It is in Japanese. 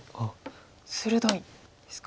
鋭いですか。